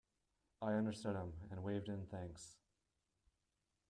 I understood him and waved in thanks.